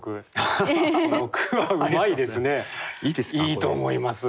いいと思います。